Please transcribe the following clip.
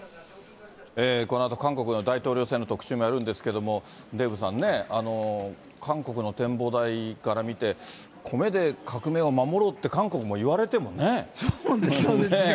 このあと韓国の大統領選の特集もやるんですけれども、デーブさんね、韓国の展望台から見て、コメで革命を守ろうって、そうですよね。